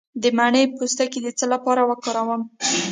د مڼې پوستکی د څه لپاره وکاروم؟